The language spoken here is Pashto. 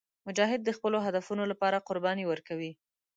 مجاهد د خپلو هدفونو لپاره قرباني ورکوي.